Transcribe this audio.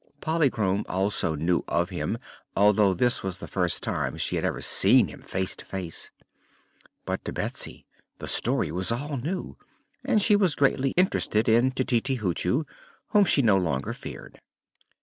Polychrome also knew of him, although this was the first time she had ever seen him face to face. But to Betsy the story was all new, and she was greatly interested in Tititi Hoochoo, whom she no longer feared.